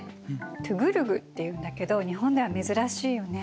トゥグルグっていうんだけど日本では珍しいよね。